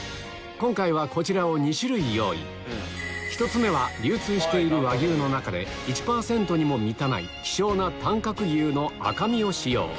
今回はこちらを２種類用意１つ目は流通している和牛の中で１％にも満たない希少な短角牛の赤身を使用